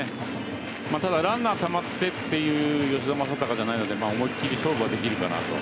ただランナーたまってという吉田正尚じゃないので思い切り勝負はできるかなと。